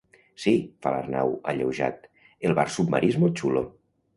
Sí —fa l'Arnau, alleujat—, el bar submarí és molt xulo.